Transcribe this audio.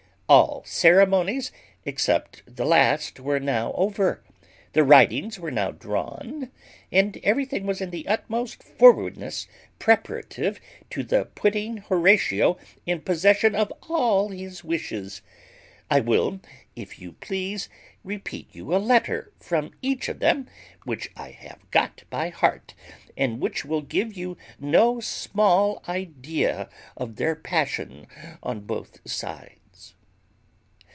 All ceremonies except the last were now over; the writings were now drawn, and everything was in the utmost forwardness preparative to the putting Horatio in possession of all his wishes. I will, if you please, repeat you a letter from each of them, which I have got by heart, and which will give you no small idea of their passion on both sides.